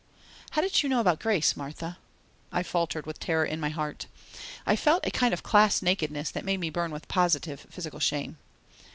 "How did you know about Grace, Martha?" I faltered with terror in my heart. I felt a kind of class nakedness that made me burn with positive physical shame.